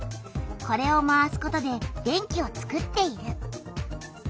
これを回すことで電気をつくっている。